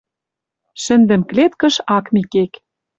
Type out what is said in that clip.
Шӹндӹм клеткыш ак ми кек